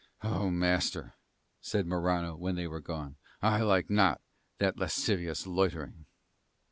"Oh, master," said Morano when they were gone, "I like not that lascivious loitering."